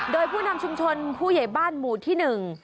โดยผู้นำชุมชนผู้ใหญ่บ้านหมู่ที่หนึ่ง